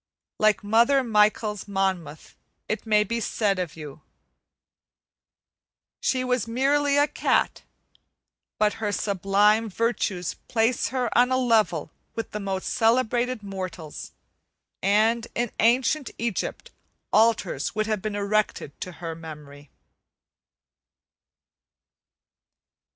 Like Mother Michel's "Monmouth," it may be said of you: "She was merely a cat, But her Sublime Virtues place her on a level with The Most Celebrated Mortals, and In Ancient Egypt Altars would have been Erected to her Memory."